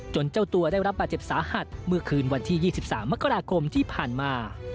เจ้าตัวได้รับบาดเจ็บสาหัสเมื่อคืนวันที่๒๓มกราคมที่ผ่านมา